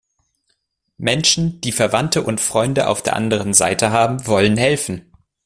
Menschen, die Verwandte und Freunde auf der anderen Seite haben, wollen helfen.